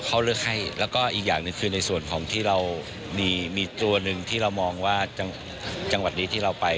เขาเลือกให้แล้วก็อีกอย่างหนึ่งคือในส่วนของที่เรามีตัวหนึ่งที่เรามองว่าจังหวัดนี้ที่เราไป